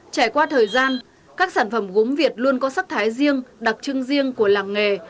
trải qua thời gian các sản phẩm gốm việt luôn có sắc thái riêng đặc trưng riêng của làng nghề